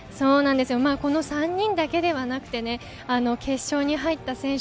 この３人だけではなくて、決勝に入った選手